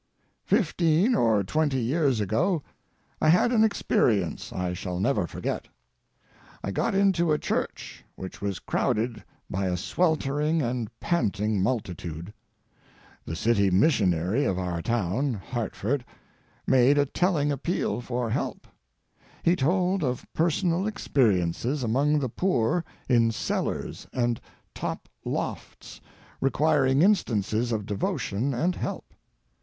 Fifteen or twenty years ago I had an experience I shall never forget. I got into a church which was crowded by a sweltering and panting multitude. The city missionary of our town—Hartford—made a telling appeal for help. He told of personal experiences among the poor in cellars and top lofts requiring instances of devotion and help.